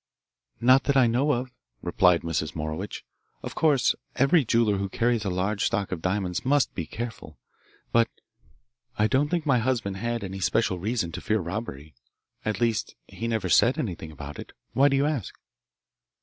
"Not that I know of," replied Mrs. Morowitch. "Of course every jeweller who carries a large stock of diamonds must be careful. But I don't think my husband had any special reason to fear robbery. At least he never said anything about it. Why do you ask?"